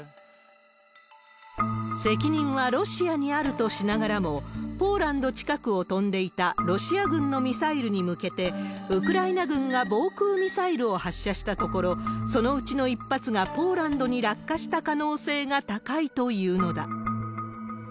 責任はロシアにあるとしながらも、ポーランド近くを飛んでいたロシア軍のミサイルに向けて、ウクライナ軍が防空ミサイルを発射したところ、そのうちの１発がポーランドに落下した可能性が高いというのだ。